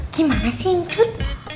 gimana sih ancut